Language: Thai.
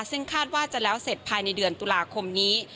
ซึ่งคาดว่าจะแล้วเสร็จภายในเดือนตุลาคมนี้